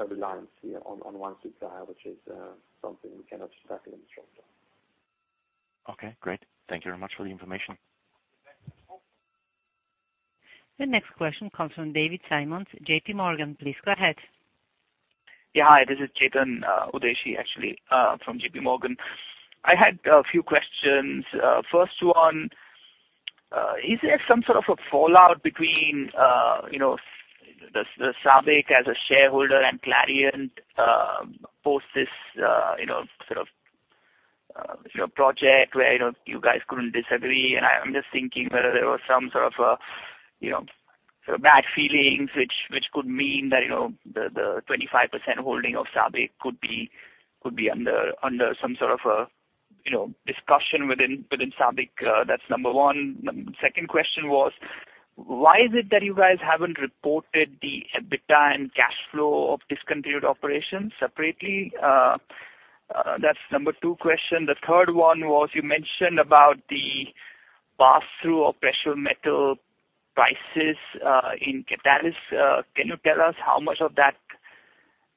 a reliance here on one supplier, which is something we cannot just tackle in the short term. Okay, great. Thank you very much for the information. The next question comes from David Simons, JPMorgan. Please go ahead. Yeah. Hi, this is Chetan Udeshi, actually, from JPMorgan. I had a few questions. First one, is there some sort of a fallout between SABIC as a shareholder and Clariant, post this sort of project where you guys couldn't disagree? I'm just thinking whether there was some sort of bad feelings, which could mean that the 25% holding of SABIC could be under some sort of a discussion within SABIC. That's number one. Second question was, why is it that you guys haven't reported the EBITDA and cash flow of discontinued operations separately? That's number two question. The third one was, you mentioned about the pass-through of precious metal prices in catalyst. Can you tell us how much of that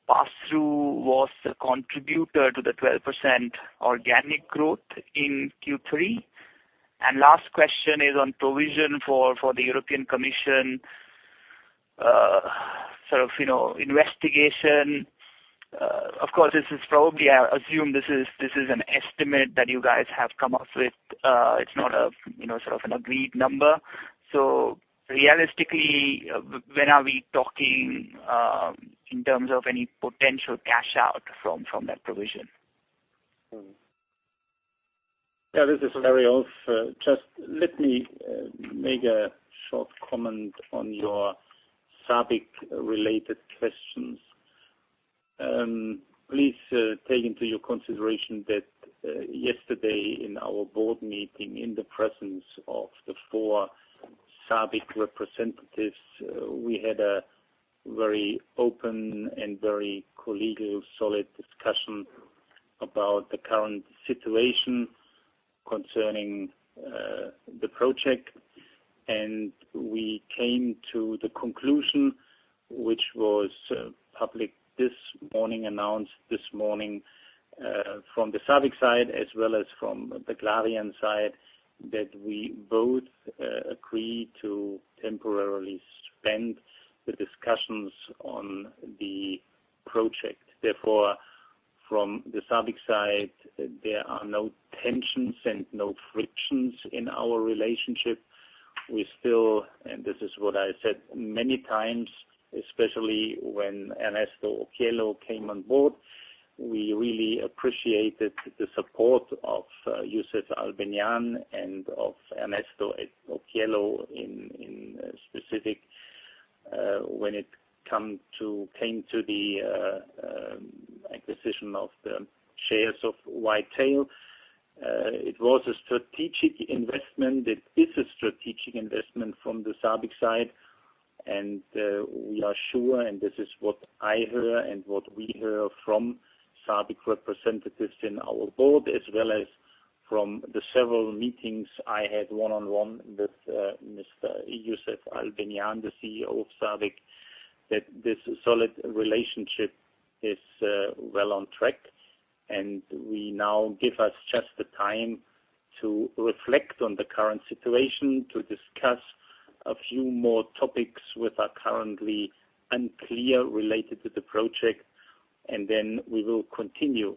pass-through was a contributor to the 12% organic growth in Q3? Last question is on provision for the European Commission sort of investigation. Of course, this is probably, I assume this is an estimate that you guys have come up with. It's not a sort of an agreed number. Realistically, when are we talking in terms of any potential cash out from that provision? Yeah, this is [Hariolf]. Just let me make a short comment on your SABIC-related questions. Please take into your consideration that yesterday in our board meeting, in the presence of the four SABIC representatives, we had a very open and very collegial, solid discussion about the current situation concerning the project. We came to the conclusion, which was public this morning, announced this morning From the SABIC side as well as from the Clariant side, that we both agree to temporarily suspend the discussions on the project. From the SABIC side, there are no tensions and no frictions in our relationship. We still, and this is what I said many times, especially when Ernesto Occhiello came on board, we really appreciated the support of Yousef Al-Benyan and of Ernesto Occhiello in specific, when it came to the acquisition of the shares of White Tale. It was a strategic investment, it is a strategic investment from the SABIC side. We are sure, and this is what I hear and what we hear from SABIC representatives in our board, as well as from the several meetings I had one-on-one with Mr. Yousef Al-Benyan, the CEO of SABIC, that this solid relationship is well on track. We now give us just the time to reflect on the current situation, to discuss a few more topics which are currently unclear, related to the project, then we will continue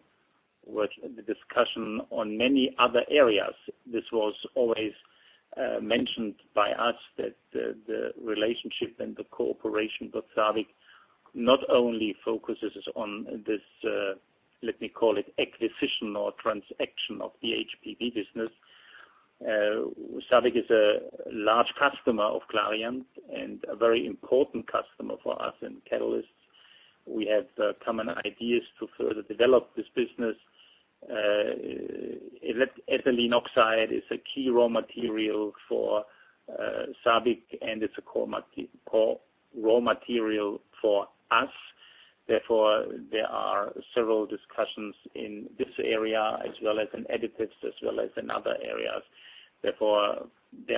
with the discussion on many other areas. This was always mentioned by us that the relationship and the cooperation with SABIC not only focuses on this, let me call it acquisition or transaction of the HPP business. SABIC is a large customer of Clariant and a very important customer for us in Catalysts. We have common ideas to further develop this business. ethylene oxide is a key raw material for SABIC, and it's a core raw material for us. Therefore, there are several discussions in this area as well as in Additives, as well as in other areas. There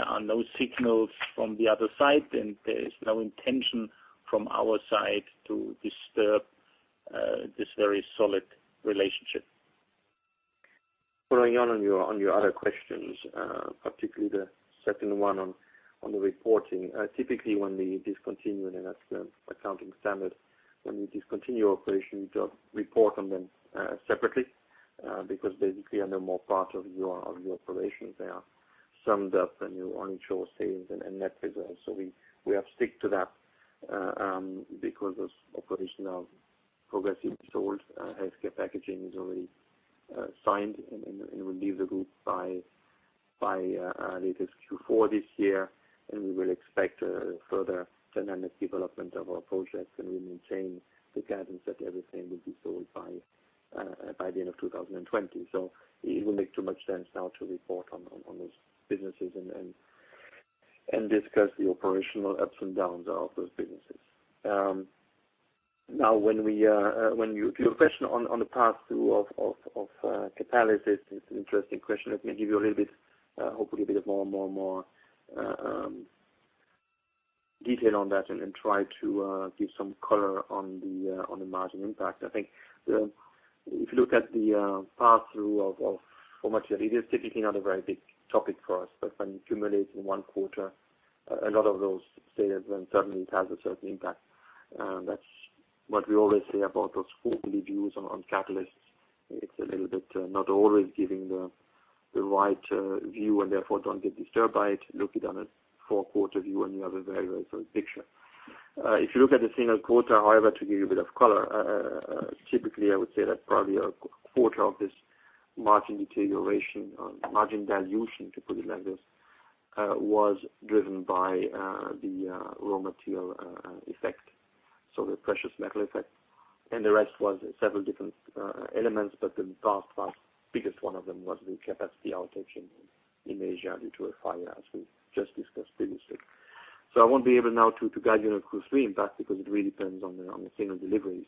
are no signals from the other side, and there is no intention from our side to disturb this very solid relationship. Following on your other questions, particularly the second one on the reporting. Typically, when we discontinue, and that's the accounting standard, when we discontinue operations, we just report on them separately. Basically, they're no more part of your operations. They are summed up, and you only show sales and net results. We have stick to that, because those operational progressive results, Healthcare Packaging is already signed and will leave the group by latest Q4 this year. We will expect a further dynamic development of our projects, and we maintain the guidance that everything will be sold by the end of 2020. It will make too much sense now to report on those businesses and discuss the operational ups and downs of those businesses. Your question on the pass-through of Catalysts is an interesting question. Let me give you a little bit, hopefully, a bit of more detail on that and try to give some color on the margin impact. I think if you look at the path through of raw material, it is typically not a very big topic for us. When you accumulate in one quarter, a lot of those sales, and certainly it has a certain impact. That's what we always say about those quarterly views on Catalysts. It's a little bit not always giving the right view, and therefore don't get disturbed by it. Look it on a four-quarter view, and you have a very, very solid picture. If you look at the single quarter, however, to give you a bit of color, typically, I would say that probably a quarter of this margin deterioration or margin dilution, to put it like this, was driven by the raw material effect. The precious metal effect. The rest was several different elements, but the vast biggest one of them was the capacity outage in Asia due to a fire, as we just discussed previously. I won't be able now to guide you on a Q3 impact because it really depends on the single deliveries.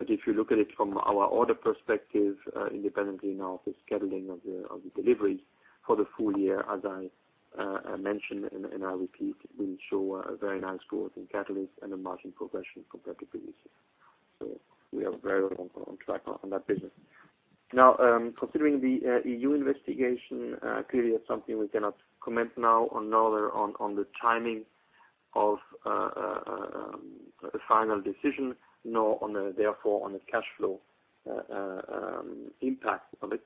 If you look at it from our order perspective, independently now of the scheduling of the deliveries for the full year, as I mentioned, and I repeat, we show a very nice growth in Catalysts and a margin progression compared to previous years. We are very well on track on that business. Considering the EU investigation, clearly, that's something we cannot comment now on, nor on the timing of a final decision, nor therefore on the cash flow impact of it.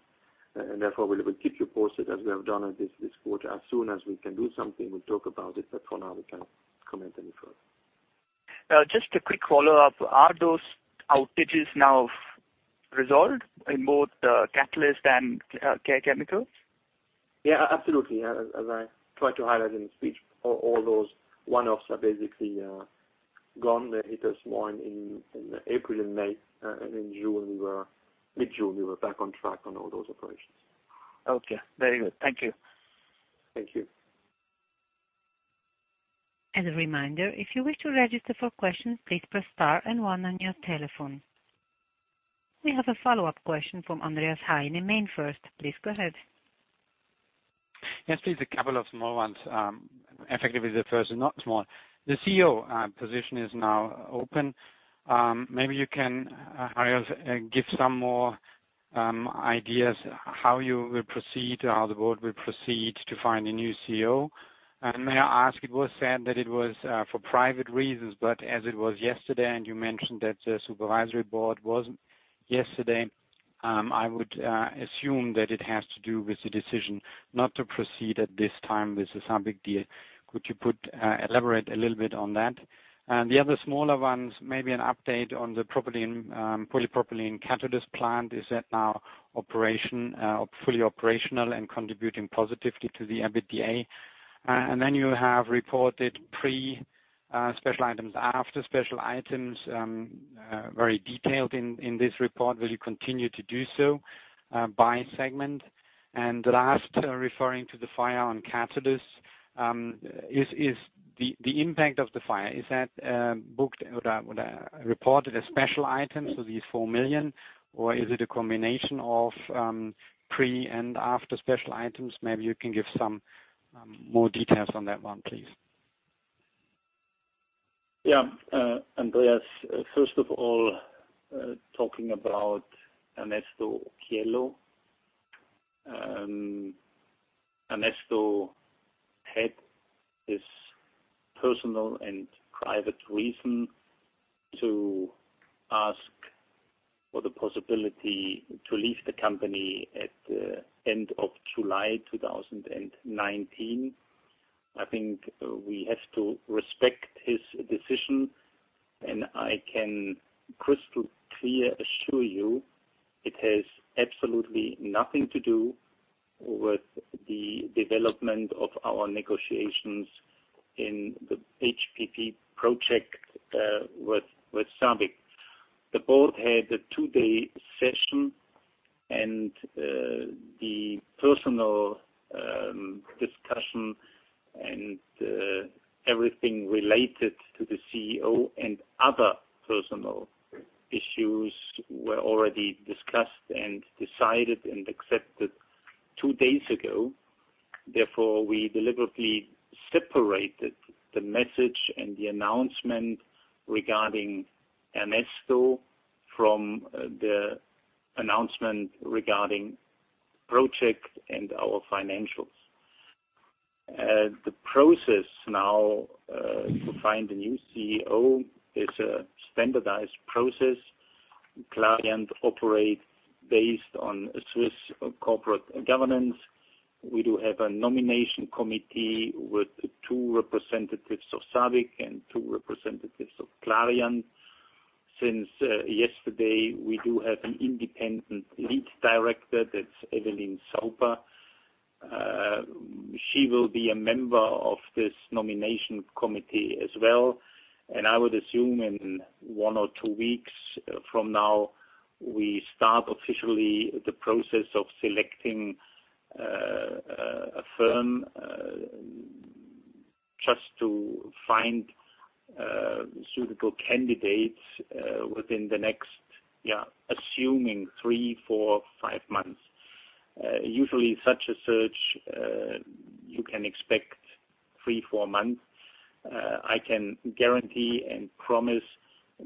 Therefore, we will keep you posted as we have done this quarter. As soon as we can do something, we'll talk about it, for now, we can't comment any further. Just a quick follow-up. Are those outages now resolved in both Catalyst and Care Chemicals? Yeah, absolutely. As I tried to highlight in the speech, all those one-offs are basically gone. They hit us more in April and May, and in mid-June, we were back on track on all those operations. Okay, very good. Thank you. Thank you. As a reminder, if you wish to register for questions, please press star and one on your telephone. We have a follow-up question from Andreas Heine, MainFirst. Please go ahead. Yes, please. A couple of small ones. Effectively, the first is not small. The CEO position is now open. Maybe you can give some more ideas how you will proceed, how the board will proceed to find a new CEO. May I ask, it was said that it was for private reasons, but as it was yesterday and you mentioned that the supervisory board was yesterday, I would assume that it has to do with the decision not to proceed at this time with the SABIC deal. Could you elaborate a little bit on that? The other smaller ones, maybe an update on the polypropylene catalyst plant. Is that now fully operational and contributing positively to the EBITDA? Then you have reported pre-special items, after special items, very detailed in this report. Will you continue to do so by segment? Last, referring to the fire on catalyst. The impact of the fire, is that booked or reported as special items, so the 4 million, or is it a combination of pre and after special items? Maybe you can give some more details on that one, please. Yeah. Andreas, first of all, talking about Ernesto Occhiello. Ernesto had this personal and private reason to ask for the possibility to leave the company at the end of July 2019. I think we have to respect his decision, and I can crystal clear assure you it has absolutely nothing to do with the development of our negotiations in the HPP project with SABIC. The board had a two-day session, and the personal discussion and everything related to the CEO and other personal issues were already discussed and decided and accepted two days ago. Therefore, we deliberately separated the message and the announcement regarding Ernesto from the announcement regarding project and our financials. The process now to find a new CEO is a standardized process. Clariant operates based on Swiss corporate governance. We do have a nomination committee with two representatives of SABIC and two representatives of Clariant. Since yesterday, we do have an Independent Lead Director, that's Eveline Saupper. She will be a member of this nomination committee as well. I would assume in one or two weeks from now, we start officially the process of selecting a firm just to find suitable candidates within the next, assuming three, four, five months. Usually, such a search you can expect three, four months. I can guarantee and promise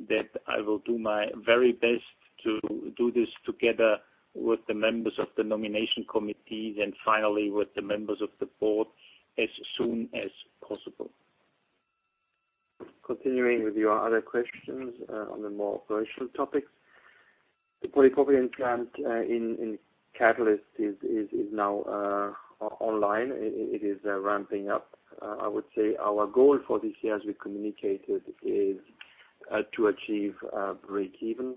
that I will do my very best to do this together with the members of the nomination committee and finally with the members of the board as soon as possible. Continuing with your other questions on the more operational topics. The polypropylene plant in catalyst is now online. It is ramping up. I would say our goal for this year, as we communicated, is to achieve breakeven.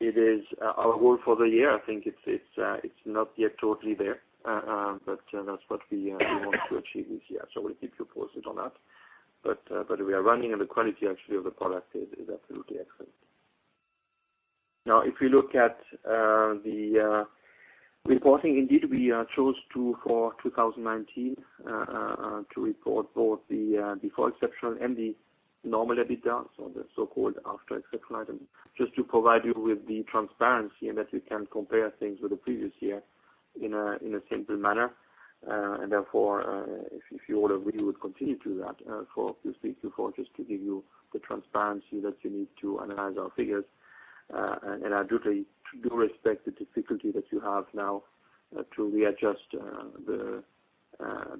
It is our goal for the year. I think it's not yet totally there. That's what we want to achieve this year. We'll keep you posted on that. We are running, and the quality actually of the product is absolutely excellent. If you look at the reporting, indeed, we chose for 2019 to report both the before exceptional and the normal EBITDA, so the so-called after exceptional item, just to provide you with the transparency and that you can compare things with the previous year in a simple manner. Therefore, if you order, we would continue to do that for 2023, 2024, just to give you the transparency that you need to analyze our figures. I do respect the difficulty that you have now to readjust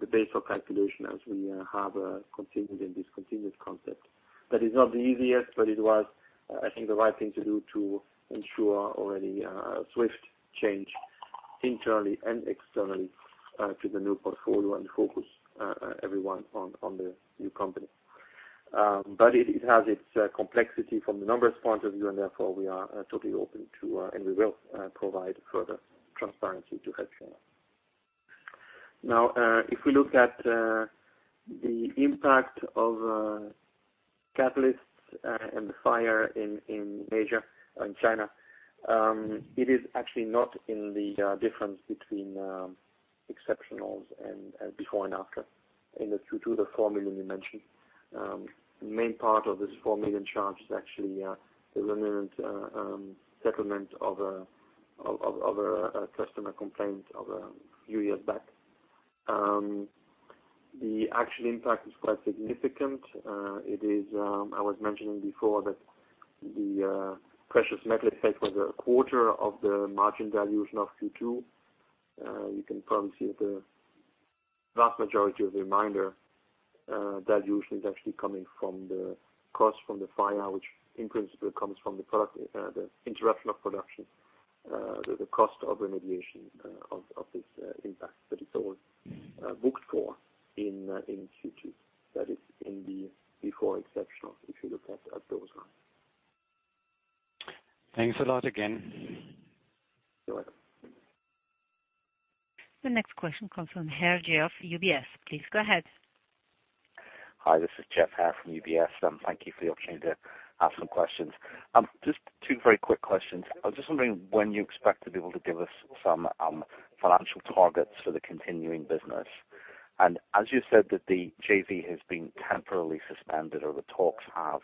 the base for calculation as we have a continued and discontinued concept. That is not the easiest, but it was, I think, the right thing to do to ensure already a swift change internally and externally to the new portfolio and focus everyone on the new company. It has its complexity from the numbers point of view, and therefore, we are totally open to, and we will provide further transparency to help you. Now, if we look at the impact of Catalysts and the fire in Asia, in China. It is actually not in the difference between Exceptionals before and after in the Q2, the 4 million you mentioned. The main part of this 4 million charge is actually the remnant settlement of a customer complaint of a few years back. The actual impact is quite significant. I was mentioning before that the precious metal effect was a quarter of the margin dilution of Q2. You can probably see that the vast majority of the remainder dilution is actually coming from the cost from the fire, which in principle comes from the interruption of production, the cost of remediation of this impact. It's all booked for in Q2. That is before exceptionals, if you look at those lines. Thanks a lot again. You're welcome. The next question comes from Geoff Hair, UBS. Please go ahead. Hi, this is Geoff Hair from UBS. Thank you for the opportunity to ask some questions. Just two very quick questions. I was just wondering when you expect to be able to give us some financial targets for the continuing business. As you said that the JV has been temporarily suspended or the talks have,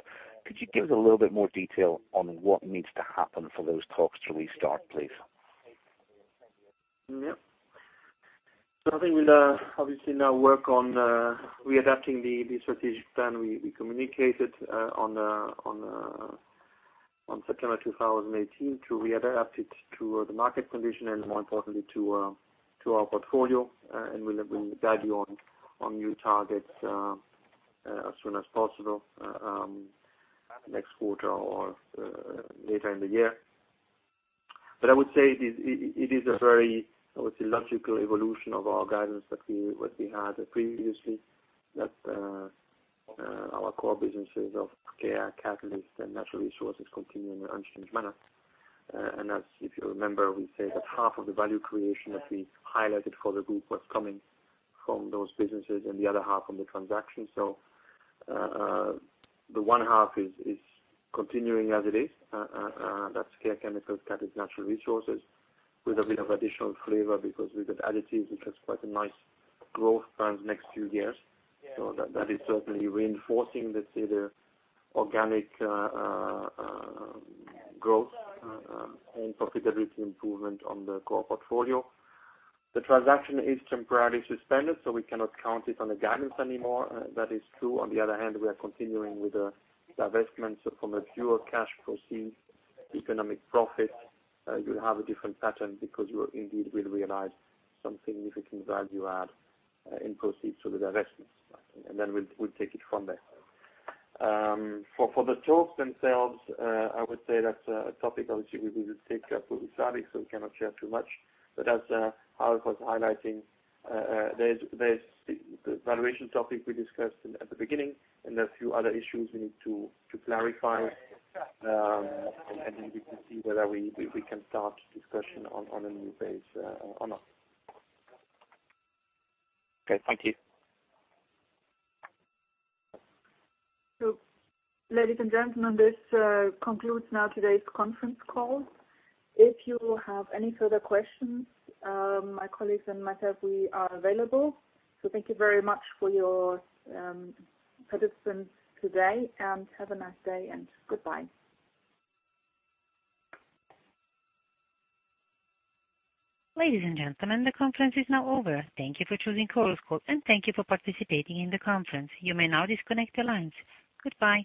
could you give us a little bit more detail on what needs to happen for those talks to restart, please? Yeah. I think we'll obviously now work on re-adapting the strategic plan we communicated on September 2018 to re-adapt it to the market condition and more importantly to our portfolio. We will guide you on new targets as soon as possible, next quarter or later in the year. I would say it is a very, I would say, logical evolution of our guidance that we had previously, that our core businesses of Care, Catalyst, and Natural Resources continue in an unchanged manner. As, if you remember, we said that half of the value creation that we highlighted for the group was coming from those businesses and the other half from the transaction. The one half is continuing as it is. That's Care Chemicals, Catalysts, Natural Resources, with a bit of additional flavor because with the Additives, which has quite a nice growth plans next few years. That is certainly reinforcing, let's say, the organic growth and profitability improvement on the core portfolio. The transaction is temporarily suspended, so we cannot count it on the guidance anymore. That is true. On the other hand, we are continuing with the divestments from a pure cash proceed economic profit. You'll have a different pattern because you indeed will realize some significant value add in proceeds to the divestments. We'll take it from there. For the talks themselves, I would say that's a topic obviously we need to take up with SABIC, so we cannot share too much. As Hariolf was highlighting, there's the valuation topic we discussed at the beginning and a few other issues we need to clarify. We can see whether we can start discussion on a new base or not. Okay. Thank you. Ladies and gentlemen, this concludes now today's conference call. If you have any further questions, my colleagues and myself, we are available. Thank you very much for your presence today, and have a nice day, and goodbye. Ladies and gentlemen, the conference is now over. Thank you for choosing Chorus Call. Thank you for participating in the conference. You may now disconnect your lines. Goodbye